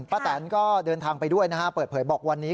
แตนก็เดินทางไปด้วยนะฮะเปิดเผยบอกวันนี้